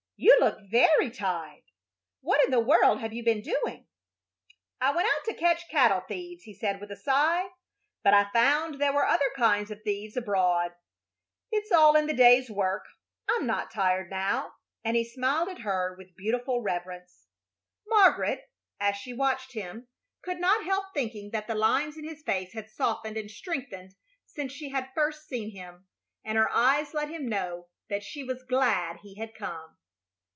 "You look very tired. What in the world have you been doing?" "I went out to catch cattle thieves," he said, with a sigh, "but I found there were other kinds of thieves abroad. It's all in the day's work. I'm not tired now." And he smiled at her with beautiful reverence. Margaret, as she watched him, could not help thinking that the lines in his face had softened and strengthened since she had first seen him, and her eyes let him know that she was glad he had come.